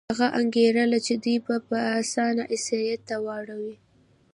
هغه انګېرله چې دوی به په اسانه عیسایت ته واوړي.